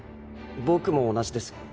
僕も同じです。